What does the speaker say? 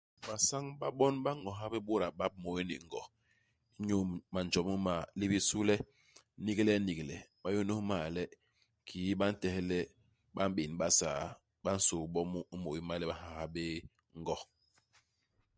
Basañ-ba-bon ba ño habé bôda môy ni Ngo inyu manjom m'ma. Li bisu le niglenigle. Ma n'yônôs m'ma le, kiki ba ntehe le ba m'bén Basaa, ba nsôô bo mu imôy ma le ba ha habé Ngo.